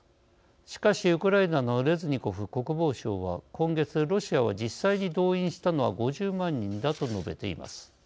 しかしウクライナのレズニコフ国防相は今月、ロシアは実際に動員したのは５０万人だと述べています。